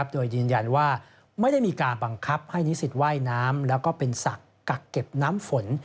โดยยืนยันว่าไม่ได้มีการบังคับให้นิสิตว่ายน้ำแล้วก็เป็นศักดิ์กักเก็บน้ำฝน